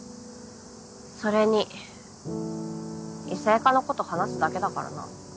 それに異性化のこと話すだけだからな。